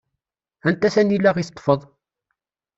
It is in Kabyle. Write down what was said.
Anta tanila i teṭṭfeḍ?